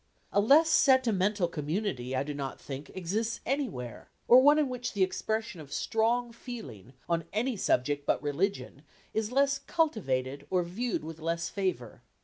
A less sentimental community, I do not think, exists anywhere, or one in which the expression of strong feeling on any subject but religion is less cultivated or viewed with less favour.